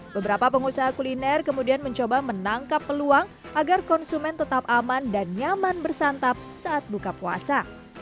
beberapa pengusaha kuliner kemudian mencoba menangkap peluang agar konsumen tetap aman dan nyaman bersantap saat buka puasa